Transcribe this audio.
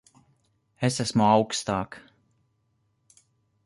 Es esmu augstāk.